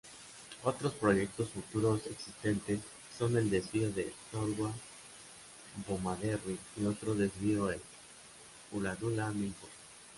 Otros proyectos futuros existentes son el desvío de Nowra-Bomaderry y otro desvío en Ulladulla-Milton.